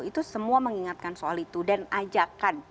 itu semua mengingatkan soal itu dan ajakan